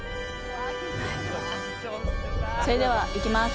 はいそれではいきます